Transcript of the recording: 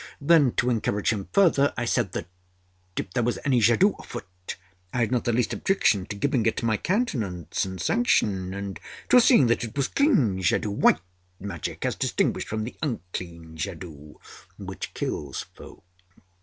Then, to encourage him further, I said that, if there was any jadoo afoot, I had not the least objection to giving it my countenance and sanction, and to seeing that it was clean jadoo white magic, as distinguished from the unclean jadoo which kills folk.